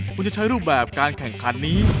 คุณจะใช้รูปแบบการแข่งขันนี้